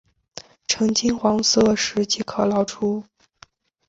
呈金黄色时即可捞出。